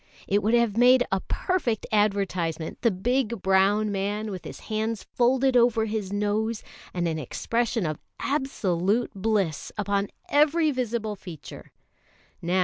It would have made a perfect advertisement the big brown man with his hands folded over his nose, and an expression of absolute bliss upon every visible feature.